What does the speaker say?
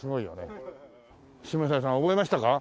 下平さん覚えましたか？